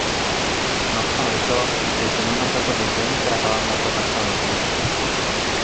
No obstant això el creixement no ha estat suficient per acabar amb l'alta taxa d'atur.